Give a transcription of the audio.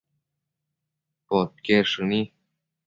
podquied shëni